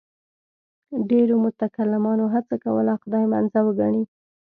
ډېرو متکلمانو هڅه کوله خدای منزه وګڼي.